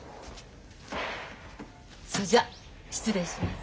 それじゃあ失礼します。